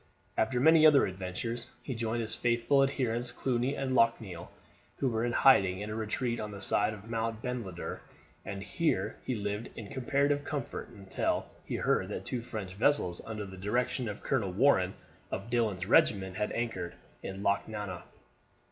After many other adventures he joined his faithful adherents Cluny and Locheil, who were in hiding in a retreat on the side of Mount Benalder, and here he lived in comparative comfort until he heard that two French vessels under the direction of Colonel Warren of Dillon's regiment had anchored in Lochnanuagh.